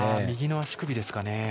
右の足首ですかね。